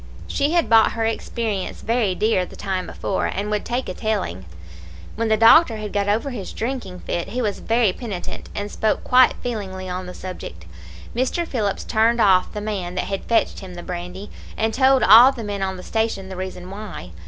She had bought her experience very dear the time before, and would take a telling. When the doctor had got over his drinking fit he was very penitent, and spoke quite feelingly on the subject. Mr. Phillips turned off the man that had fetched him the brandy, and told all the men on the station the reason why.